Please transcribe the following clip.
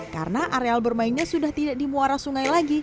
karena areal bermainnya sudah tidak di muara sungai lagi